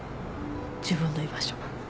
自分の居場所。